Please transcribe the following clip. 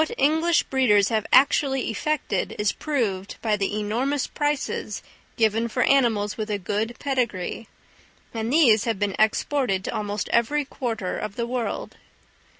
What English breeders have actually effected is proved by the enormous prices given for animals with a good pedigree; and these have been exported to almost every quarter of the world.